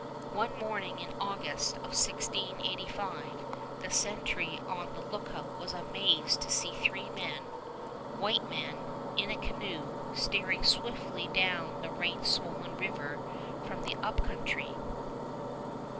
One morning, in August of 1685, the sentry on the lookout was amazed to see three men, white men, in a canoe, steering swiftly down the rain swollen river from the Up Country.